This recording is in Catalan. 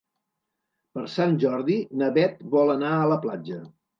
Per Sant Jordi na Bet vol anar a la platja.